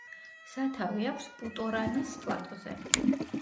სათავე აქვს პუტორანის პლატოზე.